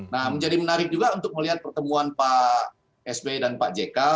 nah menjadi menarik juga untuk melihat pertemuan pak s b dan pak j k